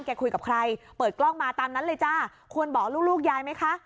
คุยกับใครเปิดกล้องมาตามนั้นเลยจ้าควรบอกลูกยายไหมคะ